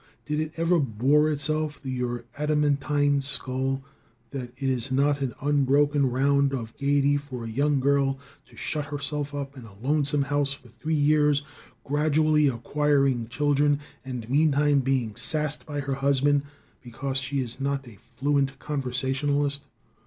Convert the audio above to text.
Did it ever bore itself through your adamantine skull that it is not an unbroken round of gayety for a young girl to shut herself up in a lonesome house for three years, gradually acquiring children, and meantime being "sassed" by her husband because she is not a fluent conversationalist?